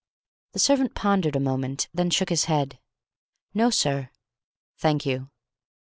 The servant pondered a moment, then shook his head. "No, sir." "Thank you."